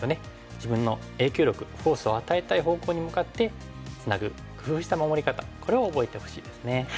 自分の影響力フォースを与えたい方向に向かってツナぐ工夫した守り方これを覚えてほしいですね。